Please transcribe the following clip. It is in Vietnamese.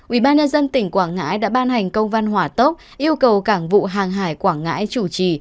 ubnd tỉnh quảng ngãi đã ban hành công văn hỏa tốc yêu cầu cảng vụ hàng hải quảng ngãi chủ trì